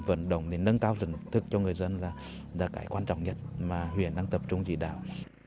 tự động để nâng cao lực lượng cho người dân là cái quan trọng nhất mà huyện đang tập trung chỉ đạo